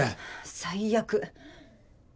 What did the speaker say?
最悪。